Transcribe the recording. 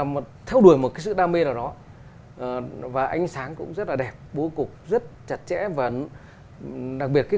một theo đuổi một cái sự đam mê nào đó và ánh sáng cũng rất là đẹp bố cục rất chặt chẽ vẫn đặc biệt cái